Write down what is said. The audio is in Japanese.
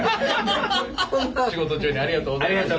仕事中にありがとうございました。